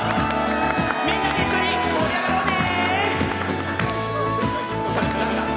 みんなで一緒に盛り上がろうね！